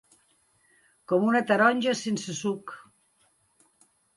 Com una taronja sense suc.